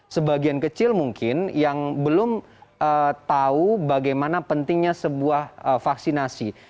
sebagian kecil mungkin yang belum tahu bagaimana pentingnya sebuah vaksinasi